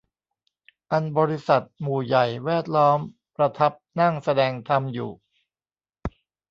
อันบริษัทหมู่ใหญ่แวดล้อมประทับนั่งแสดงธรรมอยู่